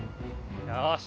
よし！